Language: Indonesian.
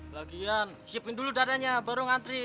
lagian siapin dulu datanya baru ngantri